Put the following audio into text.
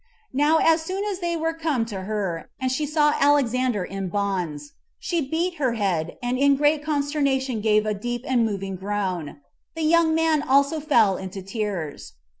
Now as soon as they were come to her, and she saw Alexander in bonds, she beat her head, and in a great consternation gave a deep and moving groan. The young man also fell into tears.